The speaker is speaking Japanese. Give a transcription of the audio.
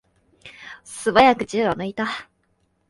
すばやく銃を抜いた。